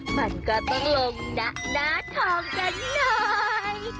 มันก็ต้องลงหน้าทองกันหน่อย